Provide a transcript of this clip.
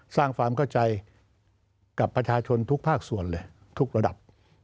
สร้างความเข้าใจกับประชาชนทุกภาคส่วนเลยทุกระดับ